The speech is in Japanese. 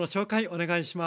お願いします。